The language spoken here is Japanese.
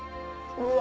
うわ！